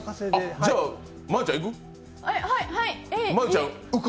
じゃあ真悠ちゃん行く？